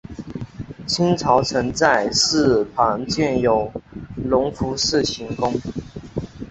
清朝曾在寺旁建有隆福寺行宫。